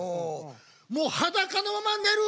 もう裸のまま寝る！